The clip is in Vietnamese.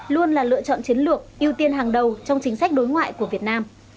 luôn là lựa chọn chiến lược ưu tiên hàng đầu trong chính sách đối ngoại của việt nam